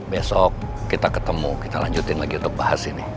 besok kita ketemu kita lanjutin lagi untuk bahas ini